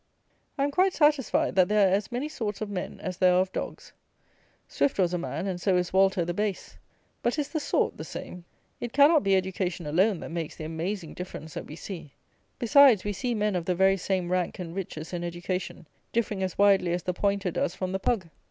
I am quite satisfied, that there are as many sorts of men as there are of dogs. Swift was a man, and so is Walter the base. But is the sort the same? It cannot be education alone that makes the amazing difference that we see. Besides, we see men of the very same rank and riches and education, differing as widely as the pointer does from the pug.